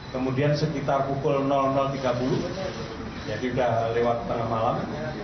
kemudian sekitar pukul tiga puluh jadi sudah lewat tengah malam